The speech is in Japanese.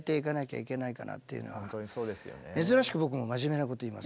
珍しく僕も真面目なこと言いますね。